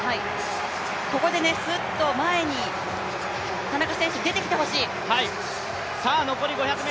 ここですっと前に田中選手出てきてほしい。